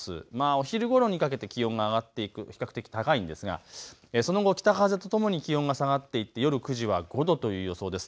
お昼ごろにかけて気温が上がっていく、比較的高いんですが、その後北風とともに気温が下がっていって、夜９時は５度という予想です。